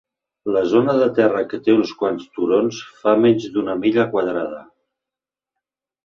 La zona de terra, que té uns quants turons, fa menys d'una milla quadrada.